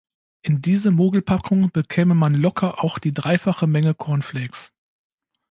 In diese Mogelpackung bekäme man locker auch die dreifache Menge Cornflakes.